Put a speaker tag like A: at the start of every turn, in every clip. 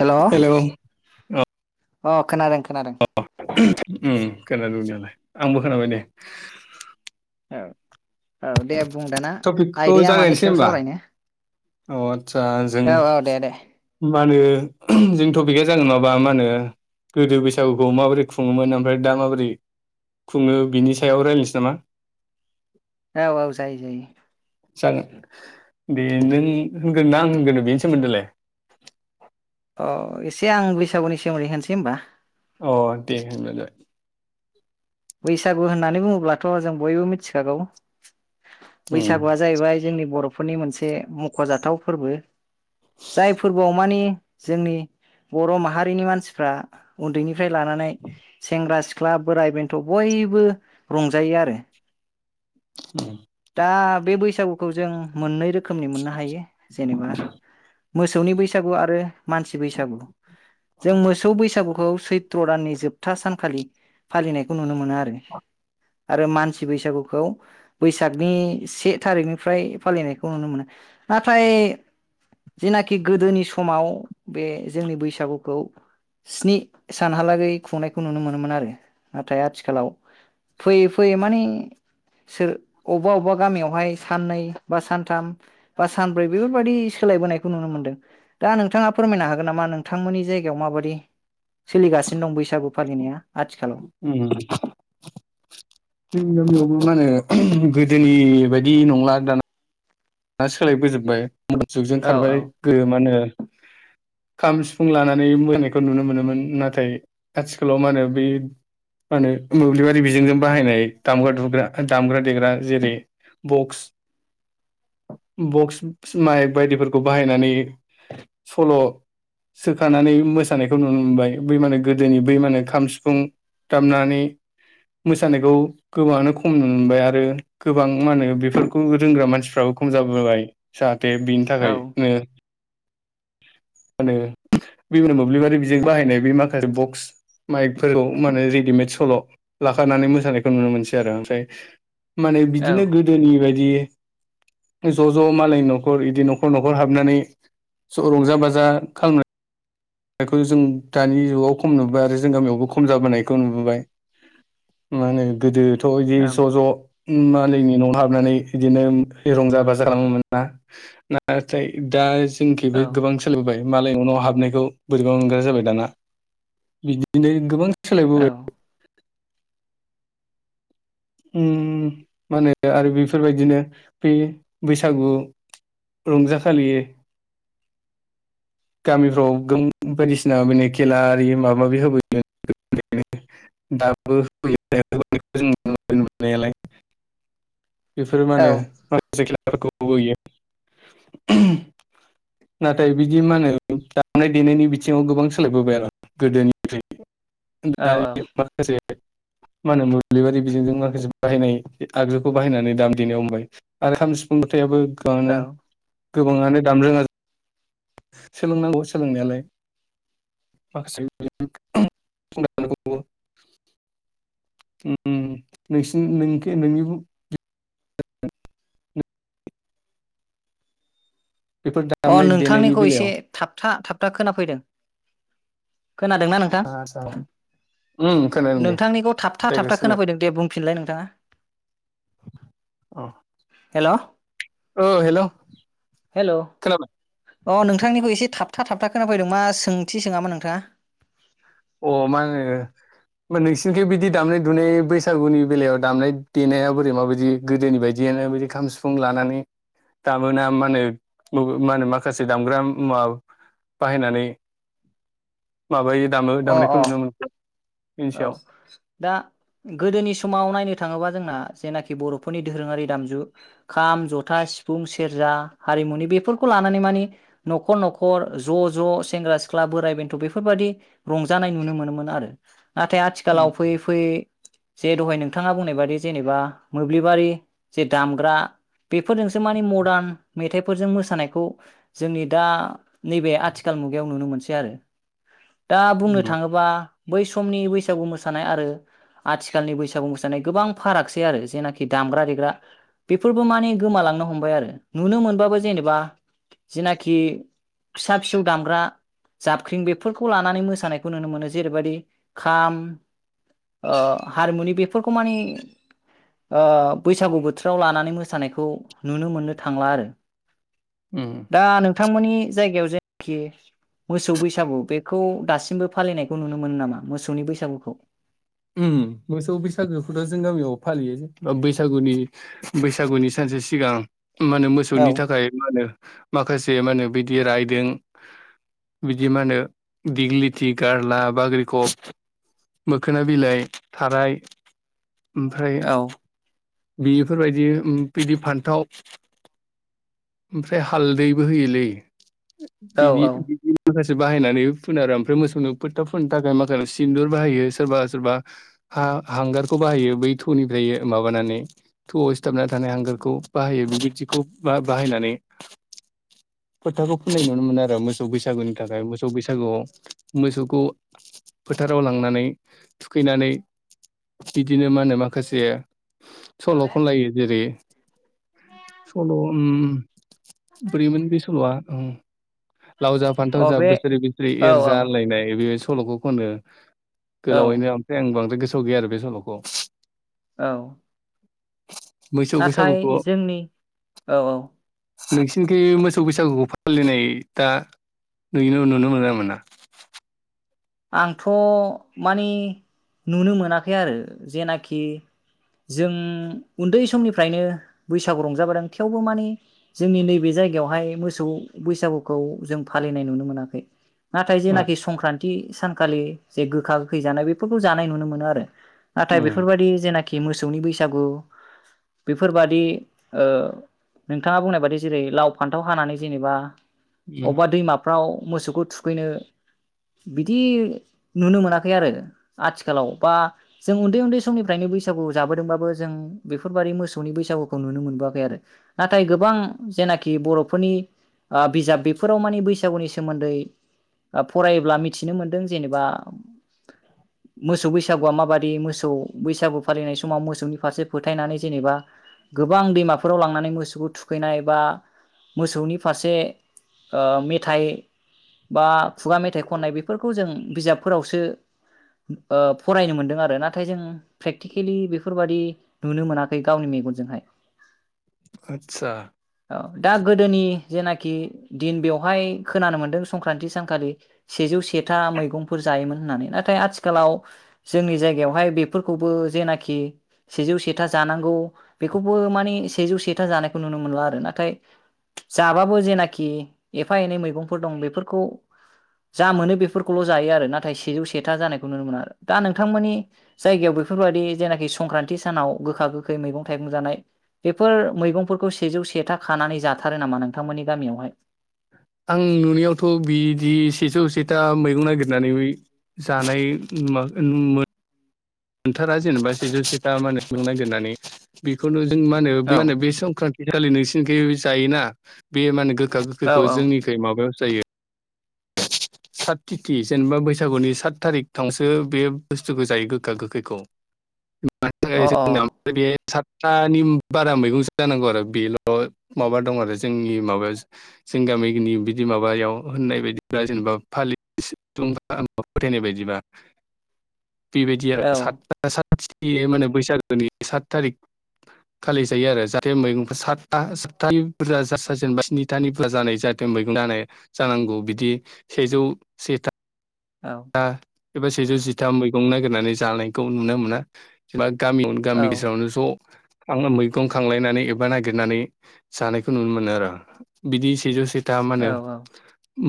A: Hello
B: औ
A: अ खोनादों
B: अ उम खोनादों आंबो खोनाबाय दे
A: औ औ दे बुं दाना
B: टपिकखौ
A: आयदाया मानि
B: जागायनोसै
A: सायाव
B: होनबा
A: सावरायनो
B: अ आदसा जों
A: औ औ दे दे
B: मा होनो जों टपिकआ जागोन माबा मा होनो गोदो बैसागुखौ माबोरै खुङोमोन ओमफ्राय दा माबोरै खुङो बिनि सायाव रायलायनोसै नामा
A: औ औ जायो।
B: जागोन दे नों होनगोन ना आं होनगोरनो बेनि सोमोन्दैलाय
A: अ एसे आं बैसागुनि सोमोन्दै होनसै होमबा
B: अ दे होनलाय
A: बैसागु होननानै बुङोब्लाथ' जों बयबो मिथिखागौ
B: उम
A: बैसागुआ जाहैबाय जोंनि बर' फोरनि मोनसे मख'जाथाव फोरबो जाय फोरबोआव मानि जोंनि बर' माहारिनि मानसिफ्रा उन्दैनि फ्राय लानानै सेंग्रा सिख ख्ला बोराय बेन थ' बयबो रंजायो आरो
B: [inaudible]
A: दा बे बैस सागुखौ जों मोननै रोखोमनि मोननो हायो जेनेबा मोसौनि बैसागु आरो मानसि बैसागु जों मोसौ बैसागुखौ सैत्र' दाननि जोबथा सानखालि फालिनाय नुनो मोनो आरो आरो मानसि बैसागुखौ बैसागनि से थारिखनिफ्राय फालिनायखौ नुनो मोनो नाथाय जेनाखि गोदोनि समाव बे जोंनि बैसागुखौ स्नि सानहालागै खुंनायखौ नुनो मोनोमोन आरो नाथाय आथिखालाव फैयै फैयै माने सोर अबबा अबबा गामियावहाय साननै बा सानथाम बा सानब्रै बेफोरबादि सोलायबोनायखौ नुनो मोनदों दा नोंथाङा फोरमायनो हागोन नामा नोंथांमोननि जायगायाव माबादि? सोलिगासिनो दं बैसागु फालिनाया आथिखालाव
B: उम जोंनि गामियावबो मा होनो गोदोनि बायदि नंला दान ना सोलायबोजोबबाय जुगजों
A: औ औ
B: खारबाय गोदो मा होनो खाम सिफुं लानानै मोनायखौ नुनो मोनोमोन नाथाय आथिखालाव मा होनो बे मा होनो मोब्लिबारि बिजोंजों बाहायनाय दामग्रा दुमग्रा दामग्रा देग्रा जेरै बक्स बक्स माइक बायदिफोरखौ बाहायनानै सल' सोखानानै मोसानायखौ नुनो मोनबाय बै मा होनो गोदोनि बै मा होनो खाम सिफुं दामनानै मोसानायखौ गोबाङानो खम नुनो मोनबाय आरो गोबां मा होनो बेफोरखौ रोंग्रा मानसिफोर फ्राबो खम जाबोबाय सा बे बेनि
A: औ
B: थाखायनो मा होनो बि मोब्लिबारि बिजों बाहायनाय बे माखासे बक्स माइकफोरखौ मा होनो रेडिमेड सल' लाखानानै मोसानायखौ नुनो मोनसै आरो आमफ्राय माने
A: औ
B: बिदिनो गोदोनि बाय दि ज' ज' मालायनि न'खर इदि न'खर न'खर हाबनानै रंजा बाज जा खालामनो बेखौ जों दानि जुगाव खम नुबोाय आरो जों गामियाव बो खम जाबोनायखौ नुबोबाय मा होनो गोदो थ इदि
A: औ
B: ज ज मालायनि नआव हाबनानै बिदिनो रंजा बाजा खालामनो मोना नाथाय दा जोंखिबो गोबां सोलायबोबाय [unintelligible] मालायनि नआव हाबनायखौ बोरैबा मोनग्रा जाबाय दाना बिदिनो गोबां सोलायबोबाय
A: औ
B: ओम मा होनो आरो बेफोरबायदिनो बे बैसागु रंजाखालि गामिफ्राव गोम बायदिसिना बिदिनो खेला आरि माबा माबि होबोयो दाबो होयो जों नुनायावलाइ बेफोर मा होनो
A: औ
B: माखासे खेला यो नाथाय [inaudible] बिदि माहोनो दामनाय देनायनि बिथिङाव गोबां सोलायबोबाय आरो गोदोनिफ्राय दा
A: औ
B: माखसे मा होनो मोब्लिबारि बिजों जों माखासे बाहायनाय आगजुखौ बाहायनानै दामनो देनो हमबाय आरो खाम सिफुं जथायाबो गानो
A: औ
B: गोबाङानो दामनो रोङा सोलोंनांगौ सोलोंनायालाय माखासे [inaudible] ओम नोंसि नोंखौ नोंनिबो [unintelligible] बेफोर
A: अ
B: दामनाय देनायनि
A: नोंथांनिखौ एसे
B: बेलायाव
A: थाबथा थाबथा था खोनाफैदों खोनादोंना नोंथां
B: आदसा उम खोनादों दे
A: नोंथांनिखौ थाबथा
B: जायगा
A: थाबथा
B: सोलायनाय
A: खोनाफैदों दे बुंफिनलाय नोंथाङा हेल'
B: औ हेल'
A: हेल'
B: खोनाबाय
A: अ नोंथांनिखौ एसे थाबथा थाबथा खोनाफैदों मा सोंथि सोङामोन नोंथाङा
B: अ मा नोंसिनिजों बिदि दामनाय दुनाय बैसागुनि बेलायाव दामनाय देनाया बोरै माबायदि गोदोनि बायदियैनो बिदि खाम सिफुं लानानै दामोना मा होनो मा होनो माखासे दामग्रा मुवा बाहायनानै माबायो दामो
A: अ
B: दामनायखौ नुनो
A: अ
B: मोनो बेनि
A: औ
B: सायाव
A: दा गोदोनि समाव नायनो थाङोबा जोंना जेनाखि बरफोरनि दोरोङारि दामजु खाम जथा सिफुं सेरजा हारिमुनि बेफोरखौ लानानै मानि नखर नखर ज ज सेंग्रा सिख्ला बोराइ बेन्थ बेफोरबायदि रंजानाय नुनो मोनोमोन आरो नाथाय आथिखालाव फैयै फैयै जे हाय नोंथाङा बुंनाय बादि जेनेबा मोब्लिबारि जे दामग्रा बेफोरजोंसो मानिे मरदान मेथाइफोरजों मोसानायखौ जोंनि दा नैबे आथिखाल मुगायाव नुनो मोनसै आरो दा बुंनो
B: उम उम
A: थाङोबा बै समनि बैसागु मोसानाय आरो आथिखालनि बैसागु मोसानाय गोबां फारागसै आरो जेनाखि दामग्रा देग्रा बेफोरबो माने गोमालांनो हमबाय आरो नुनो मोनब्लाबो जेनेबा जेनाखि फिसा फिसौ दामग्रा जाबख्रिं बेफोरखौ लानानै नानै मोसानायखौ नुनो मोनो जेरैबायदि खाम अओ हारमुनि बेफोरखौ मानि अओ बैसागु बोथोराव लानानै मोसानायखौ नुनो मोननो थांला आरो
B: उम
A: दा नोंथांमोननि बे जायगायाव जायनाखि मोसौ बैसागु बेफ बेखौ दासिमबो फालिनायखौ नुनो मोनो नामा मोसौनि बैसागुखौ
B: ओम मोसौ बैसागोखौथ' जों गामियाव फालियो बैसागुनि बैसागुनि सानसे सिगां मा होनो मोसौनि
A: औ
B: थाखाय मा होनो माखासे मा होनो बिदि राज्यों बिदि मा होनो दिगिलिथि गारला बाग्रिकफ मोख ना बिलाइ थाराय ओमफ्राय
A: औ
B: बेफोरबायदि बिदि फान्थाव ओमफ्राय हालदैबो होयोलै
A: औ
B: बिदि
A: औ
B: बिदि माखासे बाहायनानैबो फुनो आरो आमफ्राय मोसौनो फोथा फुननो थाखाय माखाला सिन्दुर बाहायो। सोरबा सोरबा हा हांगारखौ बाहायो बै थौनिफ्राय माबानानै थौआव सिथाबना थानाय हांगारखौ बाहायो बेबायदिखौ बा-बाहायनानै फोथाखौ फोननाय नुनो मोनो आरो मोसौ बैसागुनि थाखाय मोसौ बैसागुआव मोसौखौ फोथाराव लांनानै थुखैनानै बिदिनो मा होनो माखासे सल' खनलायो जेरै सल' उम बोरैमोन बे सल'आ ओ लाव जा फान्थाव
A: अ
B: जा
A: बे
B: बोसोरै बोसोरै
A: औ
B: एरजा
A: औ
B: होनलायनाय बेबाय सल'खौ खनो।
A: औ
B: गोलावैनो ओमफ्राय आं बांद्राय गोस सोलाव गैया आरो बे सल'खौ।
A: औ
B: मोसौ
A: नाथाय
B: बैसागुखौ
A: जोंनि औ औ
B: नोंसिनिखै मोसौव बैसागुखौ फालिनाय दा नुयो नुनो मोनगोना मोना?
A: आंथ' मानि नुनो मोनाखै आरो जेनाखि जों उन्दै समनिफ्रायनो बैसागु रंजाबोदों थेवबो माने जोंनि नैबे जायगायावहाय मोसौ बैसागुखौ जों फालिनाय नुनो। मोनाखै नाथाय
B: आ
A: जेनाखि संक्रान सानखालि जे गोखा गोखै जानाय बेफोरखौ जानाय नुनो मोनो आरो। नाथाय
B: उम
A: बेफोरबादि जेना खि मोसौनि बैसागु बेफोरबादि ओ नोंथाङा बुंनाय बादि जेरै लाव फान्थाव हानानै जेनेबा
B: उम
A: अबेबा दैमाफ्राव मोसौखौ थुखैनो बिदि नुनो मोनाखै आरो आथिखालाव बा जों उन्दै उन्दै समनिफ्रायनो बैसागु जाबोदोंबाबो जों बेफोरबादि मोसौनि बैसागुखौ नुनो मोनबोआखै आरो नाथाय गोबां जेनाखि बर'फोरनि ओ बिजाब बेफोराव मानि बैसागुनि सोमोन्दै ओ फराय ब्ला मिथिनो मोन्दों जेनेबा मोसौ बैसागुआ माबादि मोसौ बैसागु फालिनाय समाव मोसौनि फारसे फोथायनानै जेनेबा गोबां दैमाफोराव लांनानै मोसौखौ थुखैनाय बा मोसौनि फारसे ओ मेथाइ बा खुगा मेथाइखौ खनाय बेफोरखौ जों बिजाबफोरावसो ओ फरायनो मोनदों आरो नाथाय जों प्रेकटिकेलि बेफोरबादि नुनो मोनाखै गावनि मेगनजोंहाय।
B: आदसा
A: औ दा गोदोनि जेनाखि दिन बेवहाय खोनानो मोन्दों संक्रान्ति सानखालि सेजौ सेथा मैगंफोर जायोमोन होननानै नाथाय आथिखालाव जोंनि जायगायावहाय बेफोरखौबो जेनाखि सेजौ सेथा जानांगौ बेखौबो माने सेजौ सेथा जानायखौ नुनो मोनला आरो नाथाय जाबाबो जेनाखि एफा एनै मैगंफोर दं बेफोरखौ जा मोनो बेफोरखौल' जायो आरो नाथाय सेजौ सेथा जानायखौ नुनो मोनो आरो दा नोंथांमोननि जायगायाव बेफोरबायाददि जेनाखि संक्रान्थि सानाव गोखा गोखै मैगं थाइगं जानाय बेफोर मैगंफोरखौ सेजौ सेथा खानानै जाथारो नामा नोंथांमोननि गामियावहाय?
B: आं नुनायावथ' बिदि सेजौ सेथा मैगं नागिरनानै जानाय नुआ‌ नुमो मोनथारा जेनेबा सेजौ सेथा मानोबो नागिरनानै बेखौनो माहोनो बे
A: औ
B: माहोनो बे संक्रान्थि खालि नोंस बेयो जायोना बे माने गो खा
A: औ
B: गोखैखौ जोंनिखै माबायाव जायो सात तिथि जेनेबा बैसागुनि सात थारिख थांसो बे बुस्थुखौ जायो गोखा गोखैखौ। मानि
A: अ
B: थाखाय जोंनाव बे सातथानि बारा मैगंसो जानांगौ आरो बेल' माबा दं आरो जोंनि माबायाव जोंनि गामिनि बिदि माबायाव होननाय बायदिब्ला जेनेबा फालि एसे दं फोथायनाय बायदिबा बेबायदि आरो
A: अ औ
B: सादथा साद [unintelligible] माने बैसागोनि सात थारिक खालि जायो आरो जाहाथे मैगंफ्रा सतथा सातथानि बुरजा जेनेबा स्निथानि जानाय जाहाथे मैगं जानाय जानांगौ बिदि सेजौ सेथा
A: औ
B: एबा सेजौ जिथाम मैगं नागिरनानै जानायखौ नुनो मोना एबा गामियावनो
A: औ
B: गामि गेजेरावनो ज' आङो मैगं खांलायनानै एबा नागिरनानै जानायखौ नुनो मोनो आरो बिदि सेजौ स दा मा होनो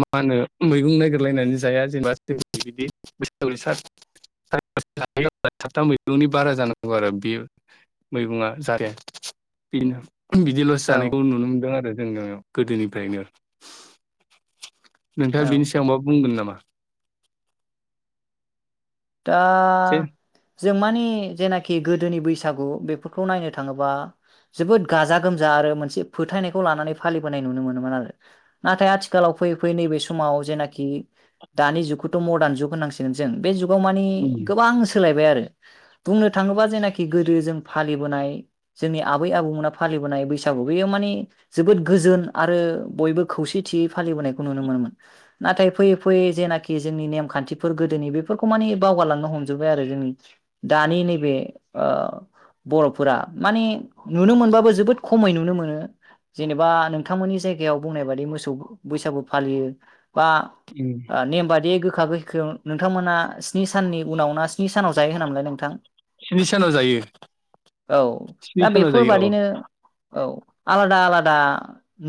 B: मा होनो मैगं नयगिरलायनानै जाया जेनेबा [unintelligible] बिदि लस
A: औ
B: जानायखौ नुनो मोनदों आरो जोङो गोदोनिफ्रायनो नोंथाङा
A: औ
B: बिनि सायाव माबा बुंगोन नामा एसे
A: दा जों माने जेनाखि गोदोनि बैसागु बेफोरखौ नायनो थाङोबा जोबोद गाजा गोमजा आरो मोनसे फोथायनायखौ लानानै फालिबोनाय नुनो मोनोमोन आरो नाथाय आथिखालाव फैयै फैयै नैबे समाव जेनाखि दानि जुखु मदार्न जुग होननांसिगोन जों बे [unintelligible] [unintelligible] मानि गोबां सोलायबाय [unintelligible] बुंनो थाङोबा जेख गोदो जों फालिबोनाय जोंनि आबै आबौमोना फालिबोनाय बैसागु बेयो मान जोबोद गोजोन आरो बयबो खौसेथियै फालिबोनायखौ नुनो मोनोन नाथाय फैयै फैयै जेनाख जोंनि नेम खान्थि गोदोनि बे फोरखौ मानि बावारलांनो हमजोबबाय आरो जोंनि दानि नैबे ओ बर'फोरा मानिे नुनो मोनबाबो जोबोद खमै नुनो मोनो जेनेबा नोंथांमोननि जायगायाव बुंनाय बायदि मोसौ बैसागु फालियो बा ओ नेम बादि [unintelligible] नोंथांमोना स्नि साननि उनाव ना स्नि सानाव जायो होनामोनलाय नोंथां
B: स्नि सानाव जायो
A: औ दा
B: स्नि सानाव जायो औ
A: बेफोरबादिनो औ आलादा आलादा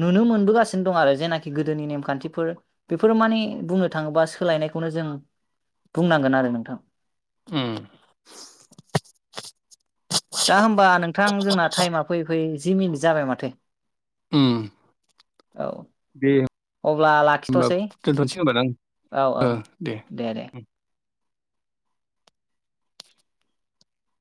A: नुनो मोनबोगासिनो दं आरो जेनाखि गोदोनि नेमखान्थिफोर बेफोरो माने बुंनो थाङोबा सोलायनायखौनो जों बुंनांगोन आरो नोंथां
B: ओम [unintelligible]
A: दा होमबा नोंथां जोंना टाइमा फैयै फै जि मिनिट जाबाय माथो
B: ओम
A: औ
B: दे
A: अब्ला
B: होमबा
A: लाखिथ'सै
B: दोनथ'सै होमबा
A: औ औ
B: ओ दे